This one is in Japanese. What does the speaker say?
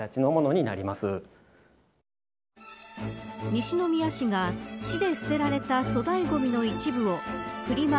西宮市が市で捨てられた粗大ごみの一部をフリマ